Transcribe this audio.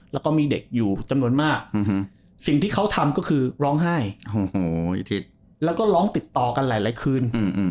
แล้วก็มีเด็กอยู่จำนวนมากสิ่งที่เขาทำก็คือร้องไห้แล้วก็ร้องติดต่อกันหลายคืน